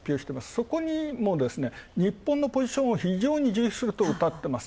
そこにも日本のポジションを重要だとうたってます